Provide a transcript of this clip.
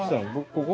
ここ。